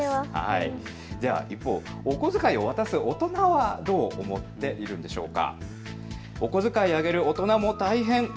一方、お小遣いを渡す大人はどう思っているんでしょうか。